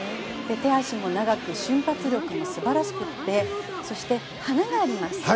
手足も長く瞬発力も素晴らしくてそして、華があります。